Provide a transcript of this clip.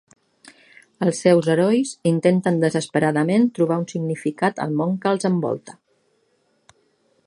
Els seus herois intenten desesperadament trobar un significat al món que els envolta.